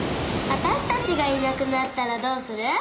私たちがいなくなったらどうする？